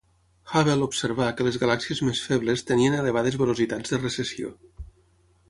Hubble observà que les galàxies més febles tenien elevades velocitats de recessió.